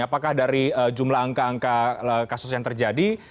apakah dari jumlah angka angka kasus yang terjadi